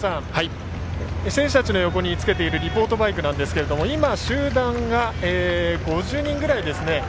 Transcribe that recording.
選手たちの横につけているリポートバイクなんですけど今、集団が５０人ぐらいですね。